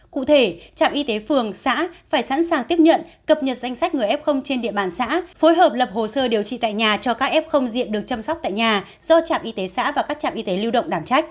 cụ thể trạm y tế phường xã phải sẵn sàng tiếp nhận cập nhật danh sách người f trên địa bàn xã phối hợp lập hồ sơ điều trị tại nhà cho các f không diện được chăm sóc tại nhà do trạm y tế xã và các trạm y tế lưu động đảm trách